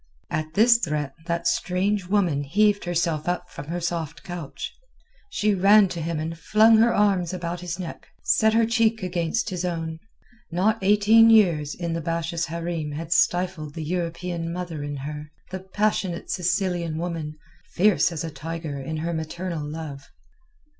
At this threat that strange woman heaved herself up from her soft couch. She ran to him and flung her arms about his neck, set her cheek against his own. Not eighteen years in the Basha's hareem had stifled the European mother in her, the passionate Sicilian woman, fierce as a tiger in her maternal love.